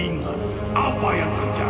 ingat apa yang terjadi